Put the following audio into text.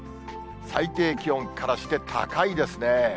最低気温からして高いですね。